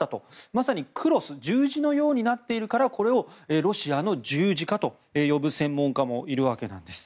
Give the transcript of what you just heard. まさにクロス十字のようになっているからこれをロシアの十字架と呼ぶ専門家もいるわけなんです。